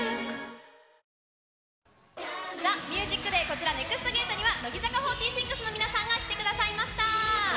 ＪＴＴＨＥＭＵＳＩＣＤＡＹ、こちら、ＮＥＸＴゲートには、乃木坂４６の皆さんが来てくださいました。